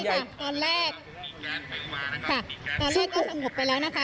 ใช่ค่ะตอนแรกตอนแรกเขาสมบกไปแล้วนะคะ